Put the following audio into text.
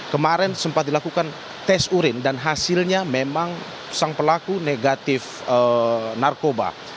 kemarin sempat dilakukan tes urin dan hasilnya memang sang pelaku negatif narkoba